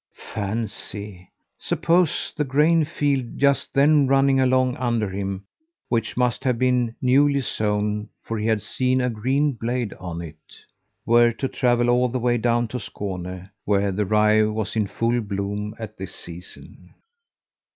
Fancy! Suppose the grain field just then running along under him which must have been newly sown for he had seen a green blade on it were to travel all the way down to Skåne where the rye was in full bloom at this season!